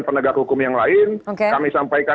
penegak hukum yang lain kami sampaikan